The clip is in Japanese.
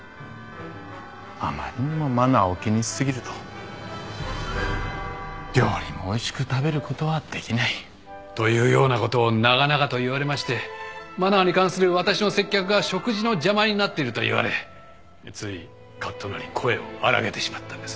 あまりにもマナーを気にし過ぎると料理もおいしく食べることはできない。というようなことを長々と言われましてマナーに関する私の接客が食事の邪魔になっていると言われついカッとなり声を荒らげてしまったんです。